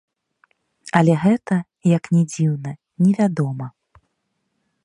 Але гэта, як ні дзіўна, невядома.